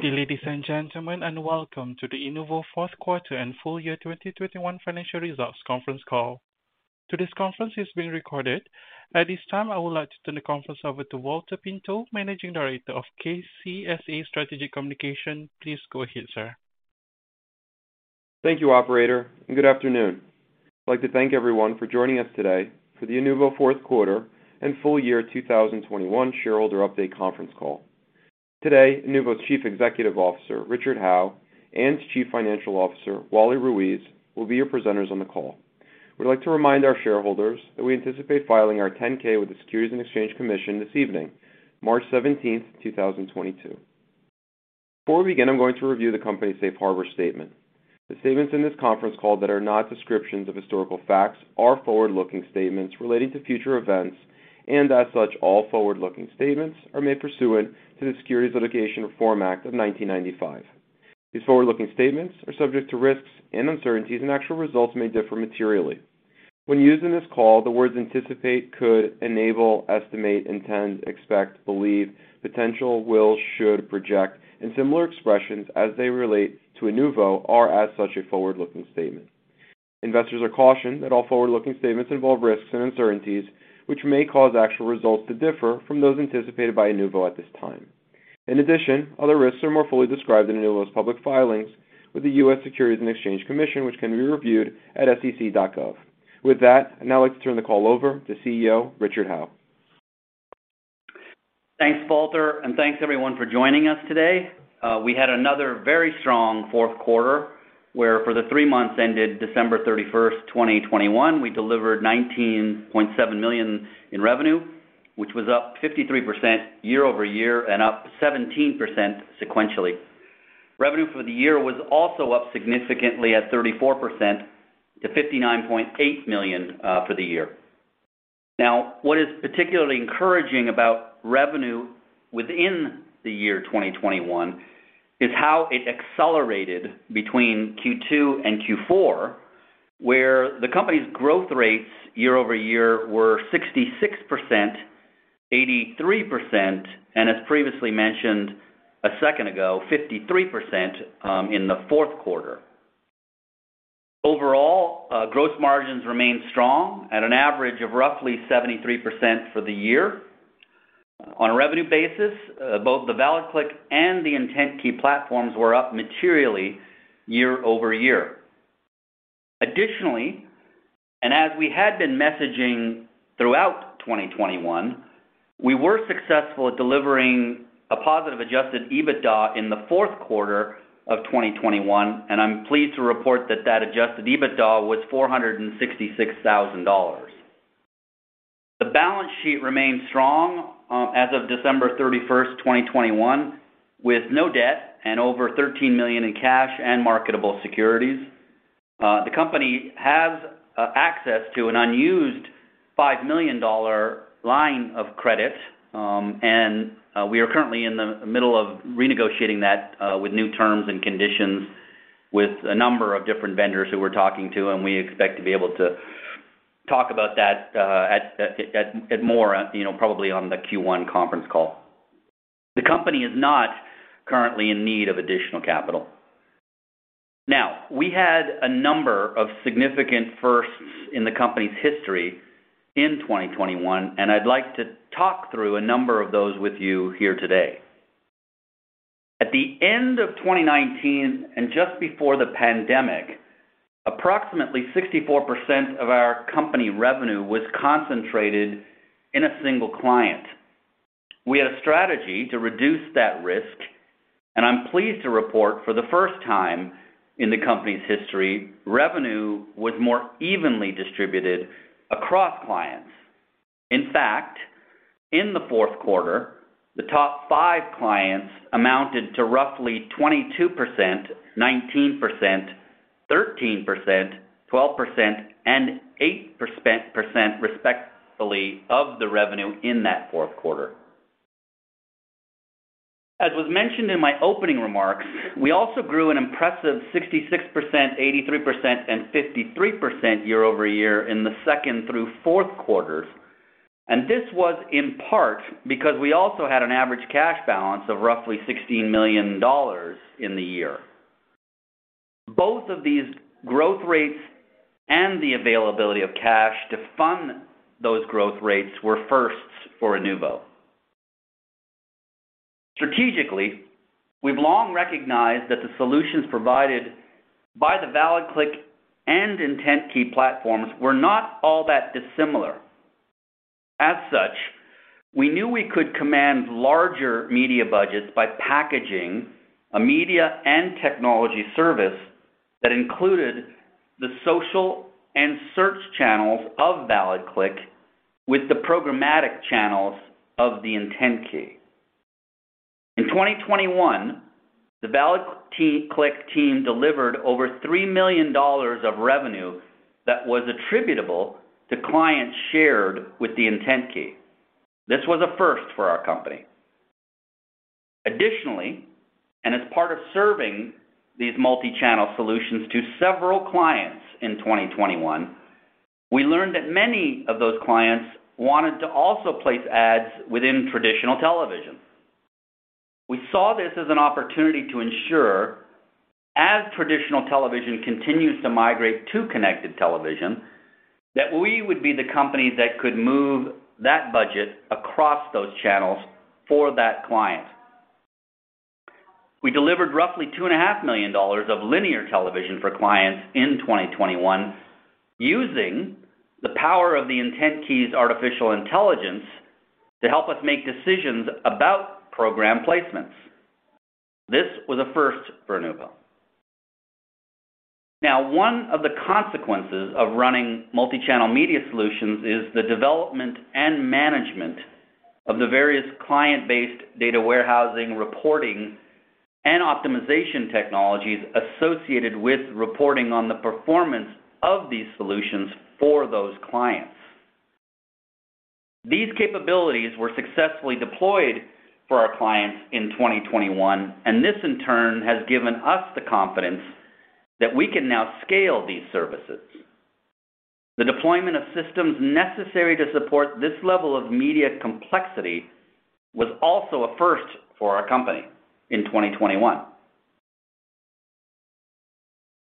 Good evening, ladies and gentlemen, and welcome to the Inuvo Q4 and full year 2021 financial results conference call. Today's conference is being recorded. At this time, I would like to turn the conference over to Valter Pinto, Managing Director of KCSA Strategic Communications. Please go ahead, sir. Thank you, operator, and good afternoon. I'd like to thank everyone for joining us today for the Inuvo Q4 and full year 2021 shareholder update conference call. Today, Inuvo's Chief Executive Officer, Richard Howe, and Chief Financial Officer, Wally Ruiz, will be your presenters on the call. We'd like to remind our shareholders that we anticipate filing our 10-K with the Securities and Exchange Commission this evening, March 17th 2022. Before we begin, I'm going to review the company's safe harbor statement. The statements in this conference call that are not descriptions of historical facts are forward-looking statements relating to future events, and as such, all forward-looking statements are made pursuant to the Private Securities Litigation Reform Act of 1995. These forward-looking statements are subject to risks and uncertainties, and actual results may differ materially. When used in this call, the words anticipate, could, enable, estimate, intend, expect, believe, potential, will, should, project, and similar expressions as they relate to Inuvo are, as such, a forward-looking statement. Investors are cautioned that all forward-looking statements involve risks and uncertainties, which may cause actual results to differ from those anticipated by Inuvo at this time. In addition, other risks are more fully described in Inuvo's public filings with the U.S. Securities and Exchange Commission, which can be reviewed at sec.gov. With that, I'd now like to turn the call over to CEO Richard Howe. Thanks, Valter, and thanks everyone for joining us today. We had another very strong Q4, where for the three months ended December 31st 2021, we delivered $19.7 million in revenue, which was up 53% year-over-year and up 17% sequentially. Revenue for the year was also up significantly 34% to $59.8 million for the year. Now, what is particularly encouraging about revenue within the year 2021 is how it accelerated between Q2 and Q4, where the company's growth rates year-over-year were 66%, 83%, and as previously mentioned a second ago, 53% in the Q4. Overall, gross margins remain strong at an average of roughly 73% for the year. On a revenue basis, both the ValidClick and the IntentKey platforms were up materially year-over-year. Additionally, as we had been messaging throughout 2021, we were successful at delivering a positive adjusted EBITDA in the fourth quarter of 2021, and I'm pleased to report that adjusted EBITDA was $466,000. The balance sheet remains strong, as of December 31st 2021, with no debt and over $13 million in cash and marketable securities. The company has access to an unused $5 million line of credit, and we are currently in the middle of renegotiating that with new terms and conditions with a number of different vendors who we're talking to, and we expect to be able to talk about that at more, you know, probably on the Q1 conference call. The company is not currently in need of additional capital. Now, we had a number of significant firsts in the company's history in 2021, and I'd like to talk through a number of those with you here today. At the end of 2019, and just before the pandemic, approximately 64% of our company revenue was concentrated in a single client. We had a strategy to reduce that risk, and I'm pleased to report for the first time in the company's history, revenue was more evenly distributed across clients. In fact, in the Q4, the top five clients amounted to roughly 22%, 19%, 13%, 12%, and 8%, respectively, of the revenue in that Q4. As was mentioned in my opening remarks, we also grew an impressive 66%, 83%, and 53% year-over-year in the second through fourth quarters. This was in part because we also had an average cash balance of roughly $16 million in the year. Both of these growth rates and the availability of cash to fund those growth rates were firsts for Inuvo. Strategically, we've long recognized that the solutions provided by the ValidClick and IntentKey platforms were not all that dissimilar. As such, we knew we could command larger media budgets by packaging a media and technology service that included the social and search channels of ValidClick with the programmatic channels of the IntentKey. In 2021, the ValidClick team delivered over $3 million of revenue that was attributable to clients shared with the IntentKey. This was a first for our company. Additionally, and as part of serving these multi-channel solutions to several clients in 2021, we learned that many of those clients wanted to also place ads within traditional television. We saw this as an opportunity to ensure, as traditional television continues to migrate to connected television, that we would be the company that could move that budget across those channels for that client. We delivered roughly $2.5 million of linear television for clients in 2021, using the power of IntentKey's artificial intelligence to help us make decisions about program placements. This was a first for Inuvo. Now, one of the consequences of running multichannel media solutions is the development and management of the various client-based data warehousing, reporting, and optimization technologies associated with reporting on the performance of these solutions for those clients. These capabilities were successfully deployed for our clients in 2021, and this in turn has given us the confidence that we can now scale these services. The deployment of systems necessary to support this level of media complexity was also a first for our company in 2021.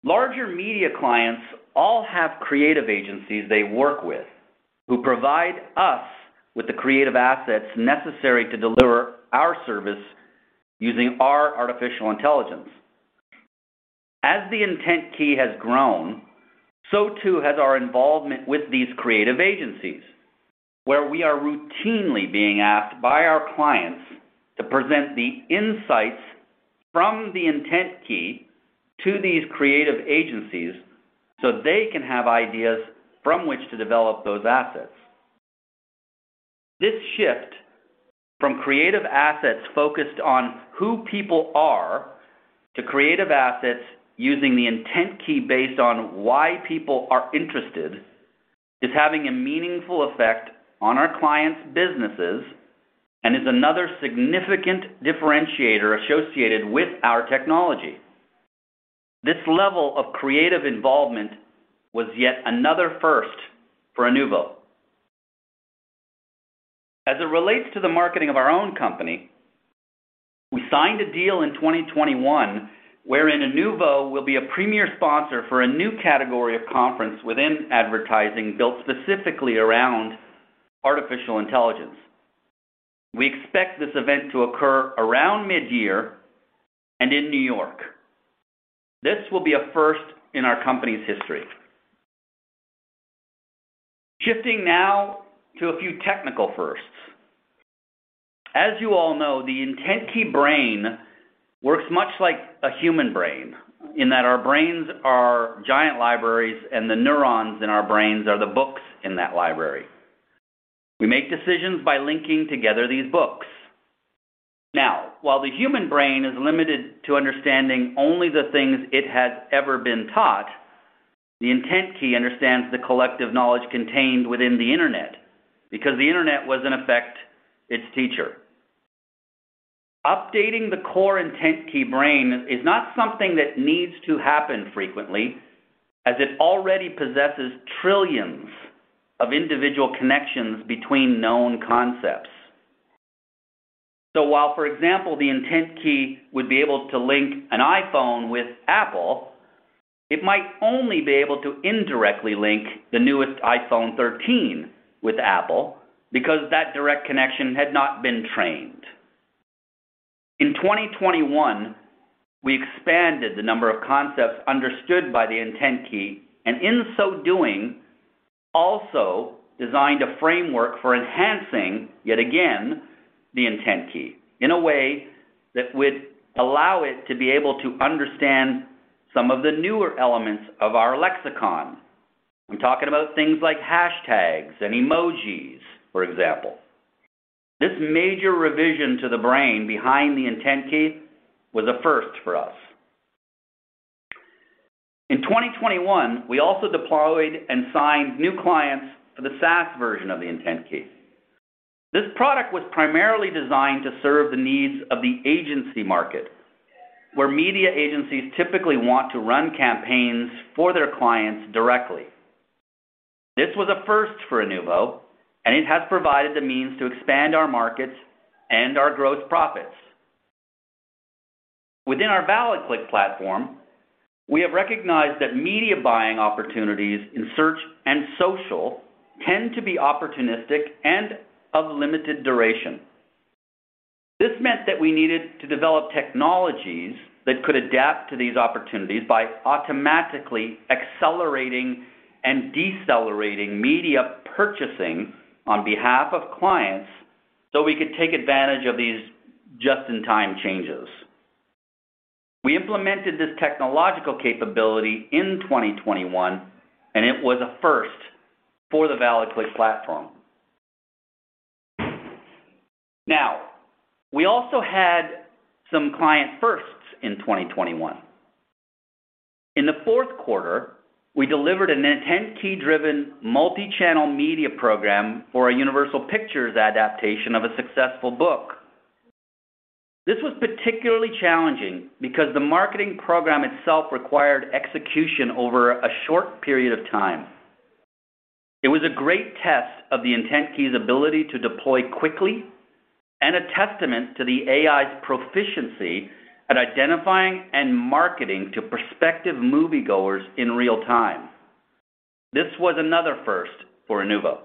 Larger media clients all have creative agencies they work with who provide us with the creative assets necessary to deliver our service using our artificial intelligence. As the IntentKey has grown, so too has our involvement with these creative agencies, where we are routinely being asked by our clients to present the insights from the IntentKey to these creative agencies, so they can have ideas from which to develop those assets. This shift from creative assets focused on who people are to creative assets using the IntentKey based on why people are interested is having a meaningful effect on our clients' businesses and is another significant differentiator associated with our technology. This level of creative involvement was yet another first for Inuvo. As it relates to the marketing of our own company, we signed a deal in 2021 wherein Inuvo will be a premier sponsor for a new category of conference within advertising built specifically around artificial intelligence. We expect this event to occur around mid-year and in New York. This will be a first in our company's history. Shifting now to a few technical firsts. As you all know, the IntentKey brain works much like a human brain in that our brains are giant libraries, and the neurons in our brains are the books in that library. We make decisions by linking together these books. Now, while the human brain is limited to understanding only the things it has ever been taught, the IntentKey understands the collective knowledge contained within the internet because the internet was, in effect, its teacher. Updating the core IntentKey brain is not something that needs to happen frequently, as it already possesses trillions of individual connections between known concepts. While, for example, the IntentKey would be able to link an iPhone with Apple, it might only be able to indirectly link the newest iPhone 13 with Apple because that direct connection had not been trained. In 2021, we expanded the number of concepts understood by the IntentKey, and in so doing, also designed a framework for enhancing, yet again, the IntentKey in a way that would allow it to be able to understand some of the newer elements of our lexicon. I'm talking about things like hashtags and emojis, for example. This major revision to the brain behind the IntentKey was a first for us. In 2021, we also deployed and signed new clients for the SaaS version of the IntentKey. This product was primarily designed to serve the needs of the agency market, where media agencies typically want to run campaigns for their clients directly. This was a first for Inuvo, and it has provided the means to expand our markets and our growth profits. Within our ValidClick platform, we have recognized that media buying opportunities in search and social tend to be opportunistic and of limited duration. This meant that we needed to develop technologies that could adapt to these opportunities by automatically accelerating and decelerating media purchasing on behalf of clients, so we could take advantage of these just-in-time changes. We implemented this technological capability in 2021, and it was a first for the ValidClick platform. Now, we also had some client firsts in 2021. In the Q4, we delivered an IntentKey-driven multichannel media program for a Universal Pictures adaptation of a successful book. This was particularly challenging because the marketing program itself required execution over a short period of time. It was a great test of the IntentKey's ability to deploy quickly and a testament to the AI's proficiency at identifying and marketing to prospective moviegoers in real time. This was another first for Inuvo.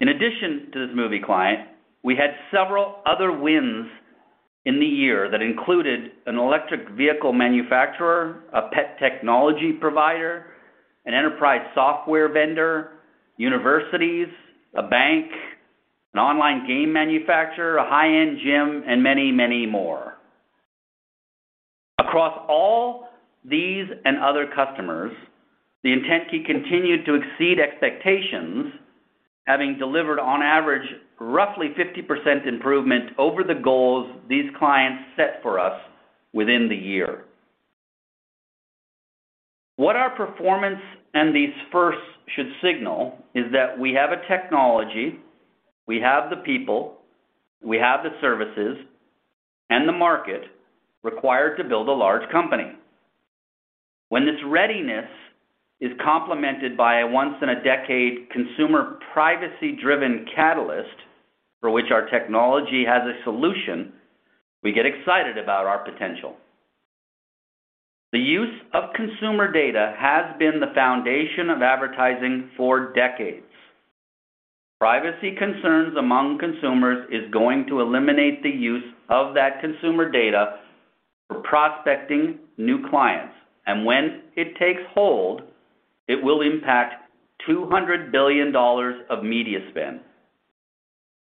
In addition to this movie client, we had several other wins in the year that included an electric vehicle manufacturer, a pet technology provider, an enterprise software vendor, universities, a bank, an online game manufacturer, a high-end gym, and many, many more. Across all these and other customers, the IntentKey continued to exceed expectations, having delivered on average roughly 50% improvement over the goals these clients set for us within the year. What our performance and these firsts should signal is that we have a technology, we have the people, we have the services, and the market required to build a large company. When this readiness is complemented by a once-in-a-decade consumer privacy-driven catalyst for which our technology has a solution, we get excited about our potential. The use of consumer data has been the foundation of advertising for decades. Privacy concerns among consumers is going to eliminate the use of that consumer data for prospecting new clients. When it takes hold, it will impact $200 billion of media spend.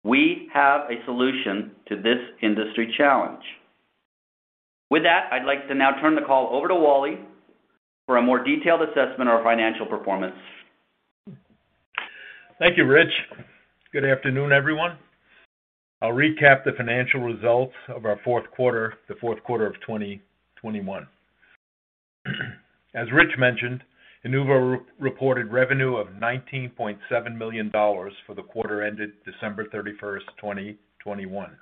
We have a solution to this industry challenge. With that, I'd like to now turn the call over to Wally for a more detailed assessment of our financial performance. Thank you, Rich. Good afternoon, everyone. I'll recap the financial results of our fourth quarter, the fourth quarter of 2021. As Rich mentioned, Inuvo reported revenue of $19.7 million for the quarter ended December 31st 2021.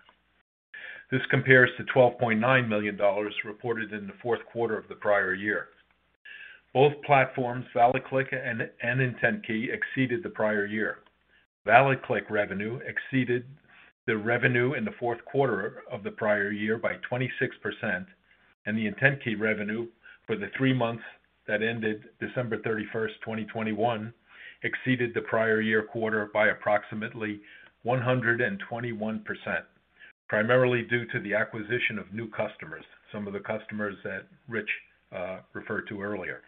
This compares to $12.9 million reported in the Q4 of the prior year. Both platforms, ValidClick and IntentKey, exceeded the prior year. ValidClick revenue exceeded the revenue in the Q4 of the prior year by 26%, and the IntentKey revenue for the three months that ended December 31st 2021 exceeded the prior year quarter by approximately 121%, primarily due to the acquisition of new customers, some of the customers that Rich referred to earlier.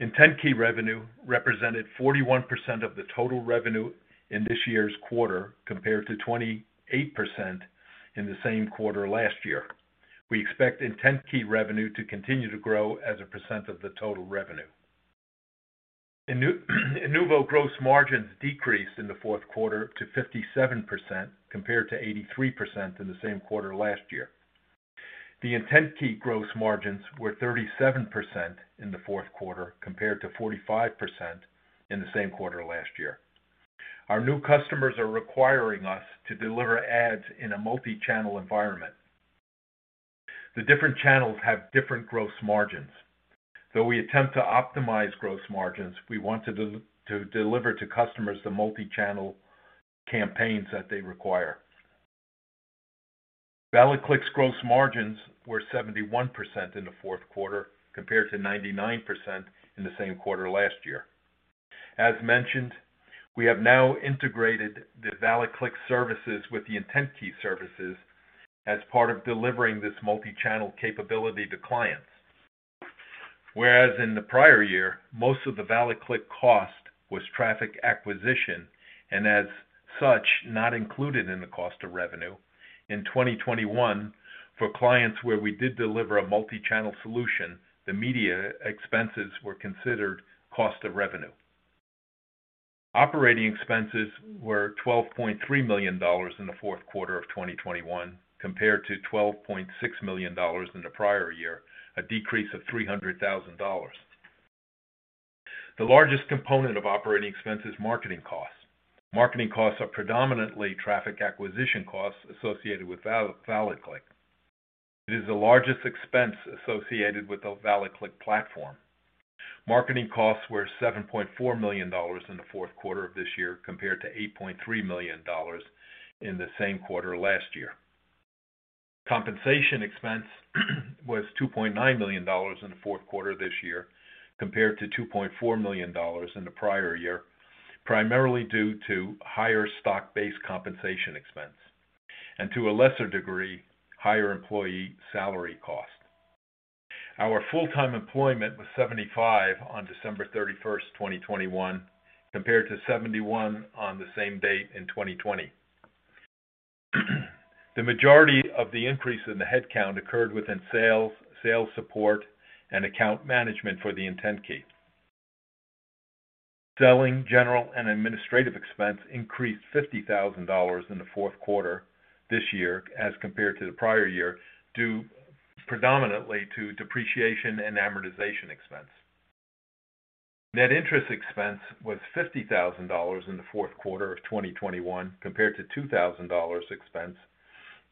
IntentKey revenue represented 41% of the total revenue in this year's quarter compared to 28% in the same quarter last year. We expect IntentKey revenue to continue to grow as a percent of the total revenue. Inuvo gross margins decreased in the fourth quarter to 57% compared to 83% in the same quarter last year. The IntentKey gross margins were 37% in the fourth quarter compared to 45% in the same quarter last year. Our new customers are requiring us to deliver ads in a multi-channel environment. The different channels have different gross margins. Though we attempt to optimize gross margins, we want to deliver to customers the multi-channel campaigns that they require. ValidClick's gross margins were 71% in the fourth quarter compared to 99% in the same quarter last year. As mentioned, we have now integrated the ValidClick services with the IntentKey services as part of delivering this multi-channel capability to clients. Whereas in the prior year, most of the ValidClick cost was traffic acquisition, and as such, not included in the cost of revenue. In 2021, for clients where we did deliver a multi-channel solution, the media expenses were considered cost of revenue. Operating expenses were $12.3 million in the fourth quarter of 2021 compared to $12.6 million in the prior year, a decrease of $300,000. The largest component of operating expense is marketing costs. Marketing costs are predominantly traffic acquisition costs associated with ValidClick. It is the largest expense associated with the ValidClick platform. Marketing costs were $7.4 million in the fourth quarter of this year compared to $8.3 million in the same quarter last year. Compensation expense was $2.9 million in the fourth quarter this year compared to $2.4 million in the prior year, primarily due to higher stock-based compensation expense and to a lesser degree, higher employee salary cost. Our full-time employment was 75 on December 31st 2021, compared to 71 on the same date in 2020. The majority of the increase in the headcount occurred within sales support, and account management for the IntentKey. Selling, general, and administrative expense increased $50,000 in the fourth quarter this year as compared to the prior year, due predominantly to depreciation and amortization expense. Net interest expense was $50,000 in the fourth quarter of 2021 compared to $2,000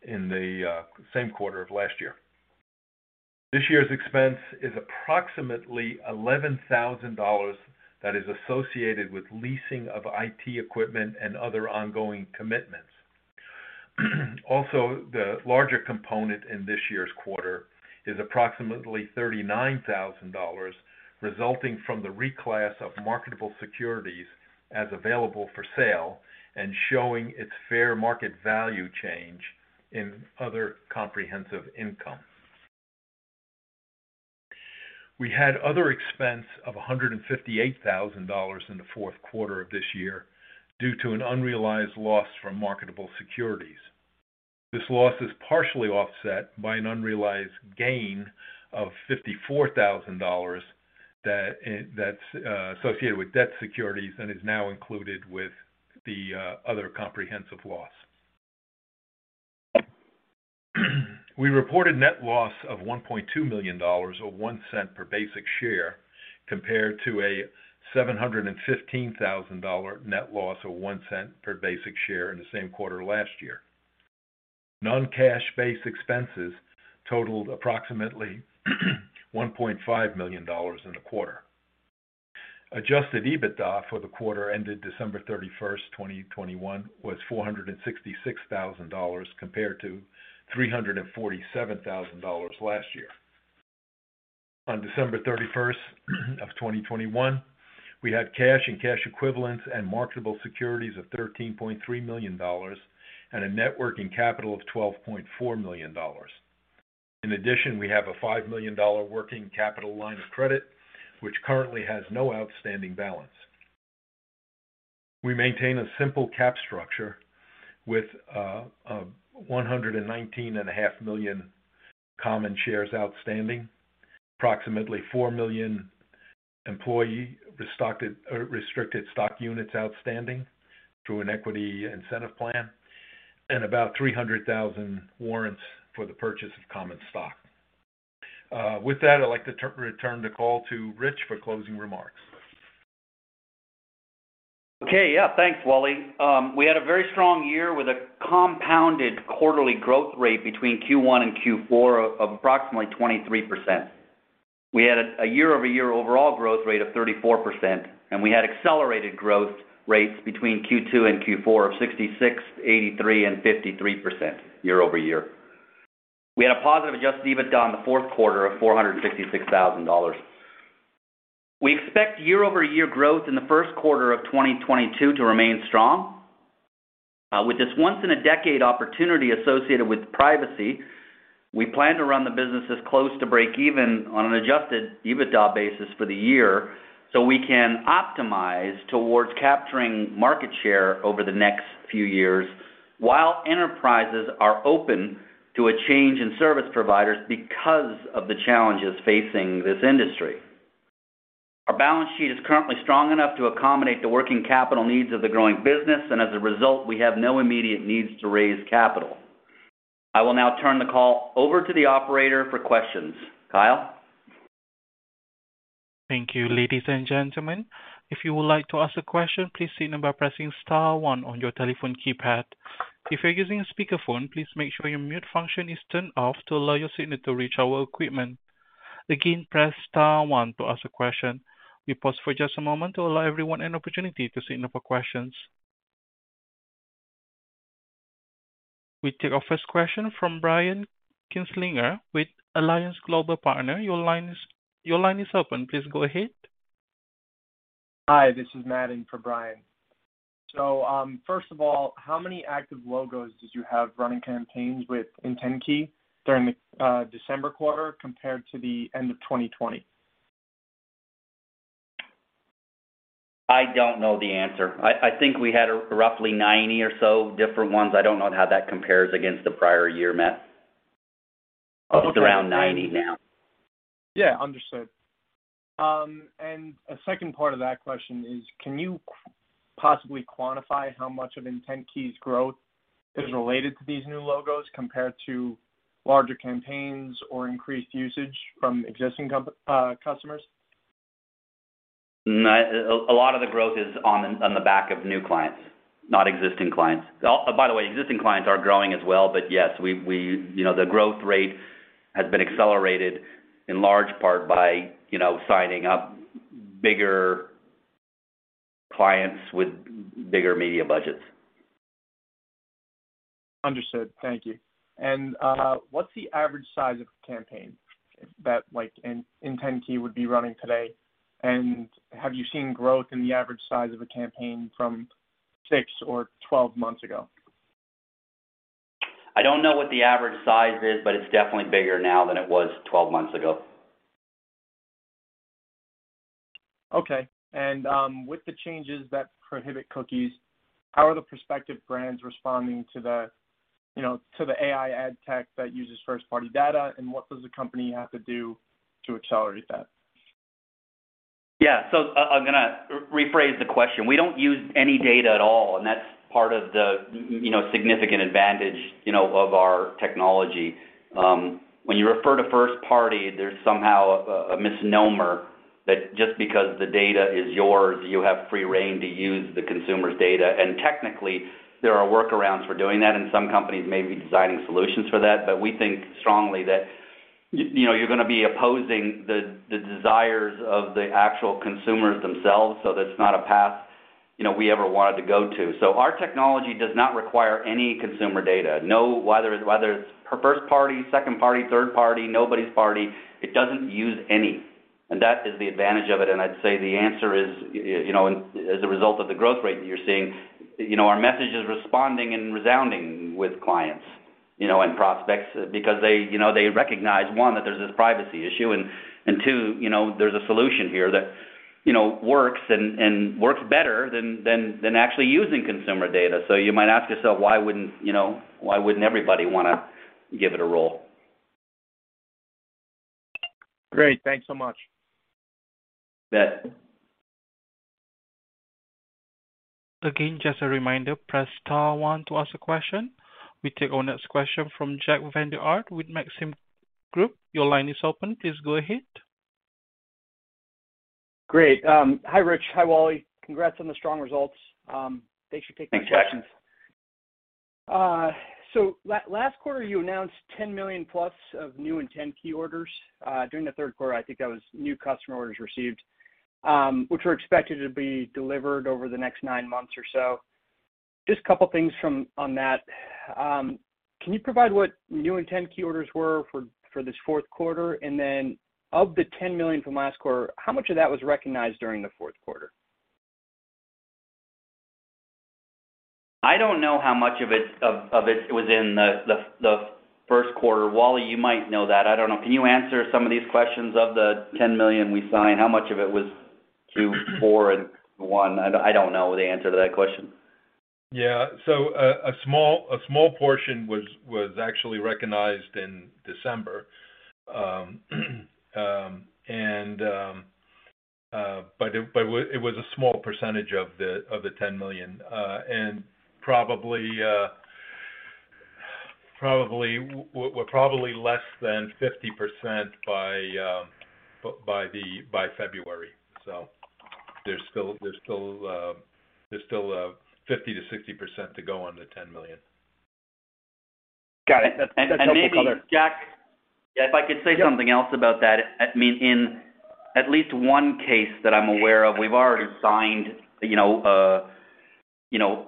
expense in the same quarter of last year. This year's expense is approximately $11,000 that is associated with leasing of IT equipment and other ongoing commitments. Also, the larger component in this year's quarter is approximately $39,000 resulting from the reclass of marketable securities as available for sale and showing its fair market value change in other comprehensive income. We had other expense of $158,000 in the fourth quarter of this year due to an unrealized loss from marketable securities. This loss is partially offset by an unrealized gain of $54,000 that's associated with debt securities and is now included with the other comprehensive loss. We reported net loss of $1.2 million or $0.01 per basic share compared to a $715,000 net loss of $0.01 per basic share in the same quarter last year. Non-cash-based expenses totaled approximately $1.5 million in the quarter. Adjusted EBITDA for the quarter ended December 31st 2021 was $466,000 compared to $347,000 last year. On December 31st 2021, we had cash and cash equivalents and marketable securities of $13.3 million and a net working capital of $12.4 million. In addition, we have a $5 million working capital line of credit, which currently has no outstanding balance. We maintain a simple capital structure with 119,500,000 Common shares outstanding, approximately 4,000,000 employee restricted stock units outstanding through an equity incentive plan, and about 300,000 warrants for the purchase of common stock. With that, I'd like to return the call to Rich for closing remarks. Okay. Yeah, thanks, Wally. We had a very strong year with a compounded quarterly growth rate between Q1 and Q4 of approximately 23%. We had a year-over-year overall growth rate of 34%, and we had accelerated growth rates between Q2 and Q4 of 66%, 83%, and 53% year-over-year. We had a positive adjusted EBITDA in the Q4 of $466,000. We expect year-over-year growth in the Q1 of 2022 to remain strong. With this once in a decade opportunity associated with privacy, we plan to run the business as close to break even on an adjusted EBITDA basis for the year, so we can optimize towards capturing market share over the next few years while enterprises are open to a change in service providers because of the challenges facing this industry. Our balance sheet is currently strong enough to accommodate the working capital needs of the growing business, and as a result, we have no immediate needs to raise capital. I will now turn the call over to the operator for questions. Kyle? Thank you. Ladies and gentlemen, if you would like to ask a question, please signal by pressing star one on your telephone keypad. If you're using a speakerphone, please make sure your mute function is turned off to allow your signal to reach our equipment. Again, press star one to ask a question. We pause for just a moment to allow everyone an opportunity to signal for questions. We take our first question from Brian Kinstlinger with Alliance Global Partners. Your line is open. Please go ahead. Hi, this is Matt in for Brian. First of all, how many active logos did you have running campaigns with IntentKey during the December quarter compared to the end of 2020? I don't know the answer. I think we had roughly 90 or so different ones. I don't know how that compares against the prior year, Matt. Okay. It's around 90 now. Yeah, understood. A second part of that question is, can you possibly quantify how much of IntentKey's growth is related to these new logos compared to larger campaigns or increased usage from existing customers? No, a lot of the growth is on the back of new clients, not existing clients. Oh, by the way, existing clients are growing as well, but yes, we've, you know, the growth rate has been accelerated in large part by, you know, signing up bigger clients with bigger media budgets. Understood. Thank you. What's the average size of a campaign that like IntentKey would be running today? Have you seen growth in the average size of a campaign from six or 12 months ago? I don't know what the average size is, but it's definitely bigger now than it was 12 months ago. Okay. With the changes that prohibit cookies, how are the prospective brands responding to the, you know, to the AI ad tech that uses first-party data, and what does the company have to do to accelerate that? Yeah. I'm gonna rephrase the question. We don't use any data at all, and that's part of the, you know, significant advantage, you know, of our technology. When you refer to first party, there's somehow a misnomer. That just because the data is yours, you have free rein to use the consumer's data. Technically, there are workarounds for doing that, and some companies may be designing solutions for that. We think strongly that, you know, you're gonna be opposing the desires of the actual consumers themselves, so that's not a path, you know, we ever wanted to go to. Our technology does not require any consumer data. No, whether it's first party, second party, third party, nobody's party, it doesn't use any. That is the advantage of it. I'd say the answer is, you know, as a result of the growth rate that you're seeing, you know, our message is responding and resounding with clients, you know, and prospects because they, you know, recognize, one, that there's this privacy issue, and two, you know, there's a solution here that, you know, works and works better than actually using consumer data. You might ask yourself, why wouldn't, you know, everybody wanna give it a roll? Great. Thanks so much. You bet. Again, just a reminder, press star one to ask a question. We take our next question from Jack Vander Aarde with Maxim Group. Your line is open. Please go ahead. Great. Hi, Rich. Hi, Wally. Congrats on the strong results. Thanks for taking my questions. Thanks, Jack. Last quarter, you announced $10+ million of new IntentKey orders during the third quarter. I think that was new customer orders received, which were expected to be delivered over the next nine months or so. Just a couple things on that. Can you provide what new IntentKey orders were for this fourth quarter? Then of the $10 million from last quarter, how much of that was recognized during the fourth quarter? I don't know how much of it was in the first quarter. Wally, you might know that. I don't know. Can you answer some of these questions of the $10 million we signed? How much of it was to Q4 and Q1? I don't know the answer to that question. A small portion was actually recognized in December, but it was a small percentage of the $10 million, and probably less than 50% by February. There's still 50%-60% to go on the $10 million. Got it. That's helpful color. Maybe, Jack, if I could say something else about that. I mean, in at least one case that I'm aware of, we've already signed, you know,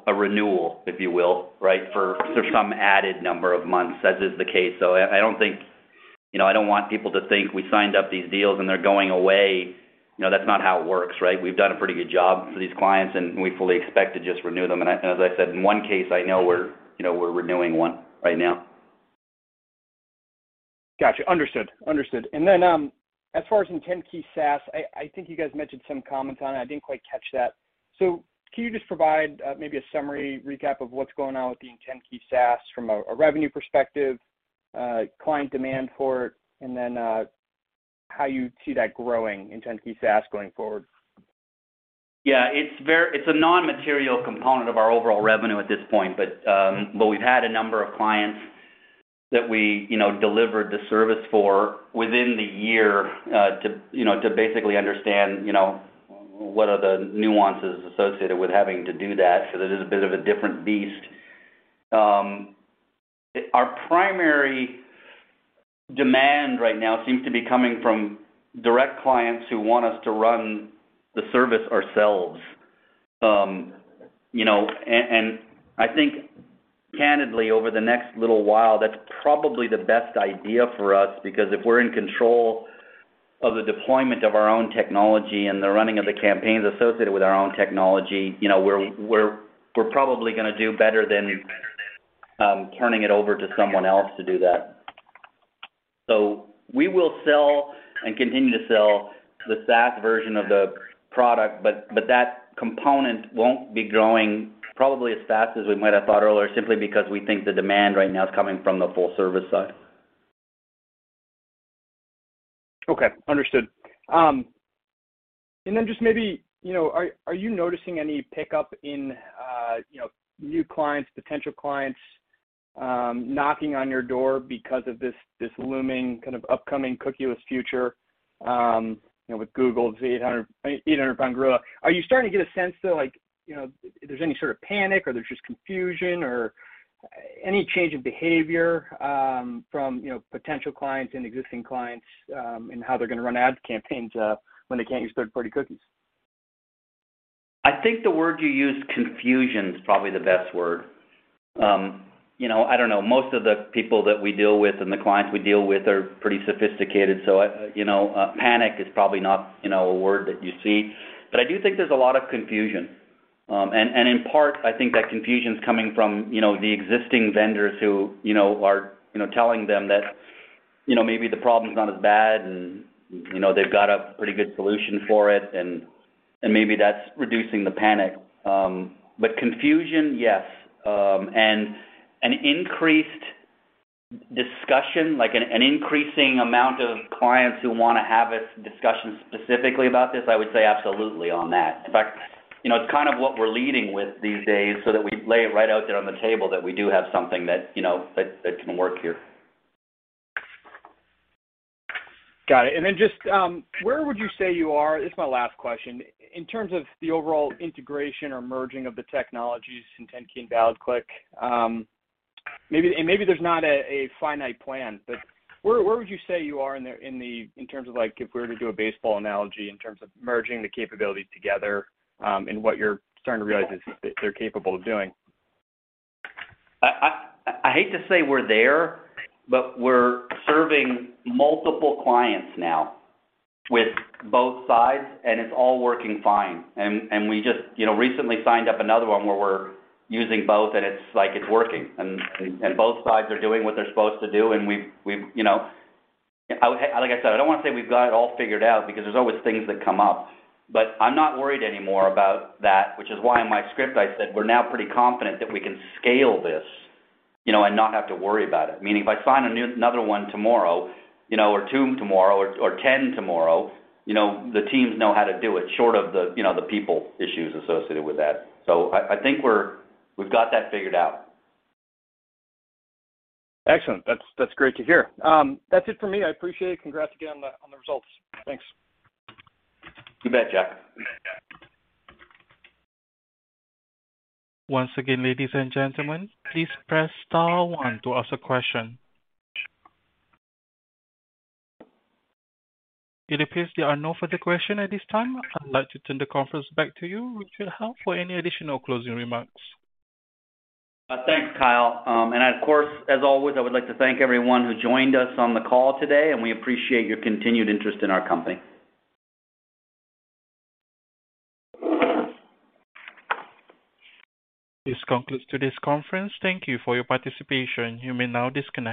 a renewal, if you will, right, for some added number of months, as is the case. So I don't think you know, I don't want people to think we signed up these deals and they're going away. You know, that's not how it works, right? We've done a pretty good job for these clients, and we fully expect to just renew them. As I said, in one case, I know you know, we're renewing one right now. Got you. Understood. Then, as far as IntentKey SaaS, I think you guys mentioned some comments on it. I didn't quite catch that. Can you just provide maybe a summary recap of what's going on with the IntentKey SaaS from a revenue perspective, client demand for it, and then how you see that growing IntentKey SaaS going forward? Yeah. It's a non-material component of our overall revenue at this point. We've had a number of clients that we, you know, delivered the service for within the year, to you know basically understand, you know, what are the nuances associated with having to do that because it is a bit of a different beast. Our primary demand right now seems to be coming from direct clients who want us to run the service ourselves. You know, and I think candidly, over the next little while, that's probably the best idea for us because if we're in control of the deployment of our own technology and the running of the campaigns associated with our own technology, you know, we're probably gonna do better than turning it over to someone else to do that. We will sell and continue to sell the SaaS version of the product, but that component won't be growing probably as fast as we might have thought earlier, simply because we think the demand right now is coming from the full service side. Okay. Understood. Just maybe, you know, are you noticing any pickup in, you know, new clients, potential clients, knocking on your door because of this, looming kind of upcoming cookie-less future, you know, with Google's 800-pound gorilla? Are you starting to get a sense, though, like, you know, if there's any sort of panic or there's just confusion or any change of behavior, from, you know, potential clients and existing clients, in how they're gonna run ad campaigns, when they can't use third-party cookies? I think the word you used, confusion, is probably the best word. You know, I don't know. Most of the people that we deal with and the clients we deal with are pretty sophisticated, so, you know, panic is probably not, you know, a word that you see. I do think there's a lot of confusion. In part, I think that confusion's coming from, you know, the existing vendors who, you know, are, you know, telling them that, you know, maybe the problem's not as bad and, you know, they've got a pretty good solution for it, and maybe that's reducing the panic. Confusion, yes. An increased discussion, like an increasing amount of clients who wanna have a discussion specifically about this, I would say absolutely on that. In fact, you know, it's kind of what we're leading with these days so that we lay it right out there on the table that we do have something that, you know, that can work here. Got it. Just where would you say you are, this is my last question, in terms of the overall integration or merging of the technologies in IntentKey ValidClick? Maybe there's not a finite plan, but where would you say you are in the in terms of like if we were to do a baseball analogy in terms of merging the capabilities together, and what you're starting to realize is that they're capable of doing? I hate to say we're there, but we're serving multiple clients now with both sides, and it's all working fine. We just, you know, recently signed up another one where we're using both, and it's like it's working. Both sides are doing what they're supposed to do. We've, you know, like I said, I don't wanna say we've got it all figured out because there's always things that come up. I'm not worried anymore about that. Which is why in my script, I said we're now pretty confident that we can scale this, you know, and not have to worry about it. Meaning if I sign another one tomorrow, you know, or two tomorrow or 10 tomorrow, you know, the teams know how to do it short of the, you know, the people issues associated with that. I think we've got that figured out. Excellent. That's great to hear. That's it for me. I appreciate it. Congrats again on the results. Thanks. You bet, Jack. Once again, ladies and gentlemen, please press star one to ask a question. It appears there are no further questions at this time. I'd like to turn the conference back to you, Richard Howe, for any additional closing remarks. Thanks, Kyle. Of course, as always, I would like to thank everyone who joined us on the call today, and we appreciate your continued interest in our company. This concludes today's conference. Thank you for your participation. You may now disconnect.